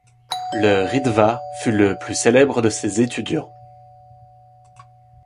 Le Ritva fut le plus célèbre de ses étudiants.